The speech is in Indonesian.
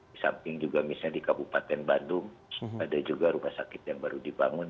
di samping juga misalnya di kabupaten bandung ada juga rumah sakit yang baru dibangun